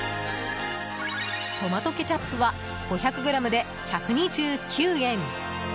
トマトケチャップは５００ｇで１２９円。